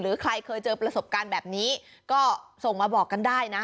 ใครเคยเจอประสบการณ์แบบนี้ก็ส่งมาบอกกันได้นะ